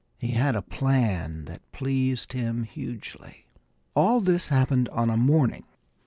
He had a plan that pleased him hugely. All this happened on a morning.